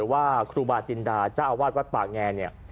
หรือว่าครูบาจินดาจ้าอาวาสวัตต์ปากแง่เนี่ย